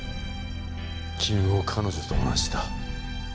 君も彼女と同じだ。